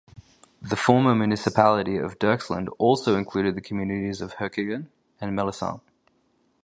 The former municipality of Dirksland also included the communities of Herkingen, and Melissant.